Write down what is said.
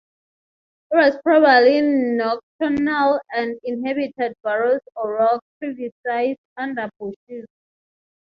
It was probably nocturnal and inhabited burrows or rock crevices under bushes.